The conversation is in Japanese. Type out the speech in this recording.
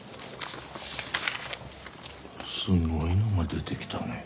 すごいのが出てきたねぇ。